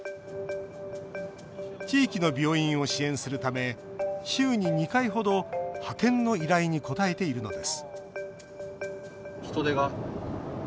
地域の病院を支援するため週に２回程派遣の依頼に応えているのです